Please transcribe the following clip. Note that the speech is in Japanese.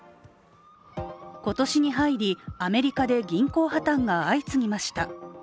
今年に入り、アメリカで銀行破綻が相次ぎました。